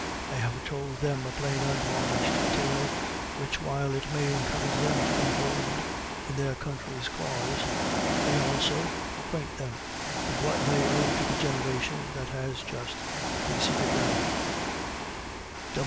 I have told them a plain unvarnished tale, which while it may encourage them to be bold in their country's cause, may also, acquaint them with what they owe to the generation that has just preceded them.